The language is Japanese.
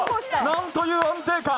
なんという安定感。